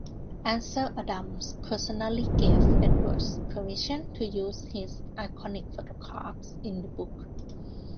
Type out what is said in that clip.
Ansel Adams personally gave Edwards permission to use his iconic photographs in the book.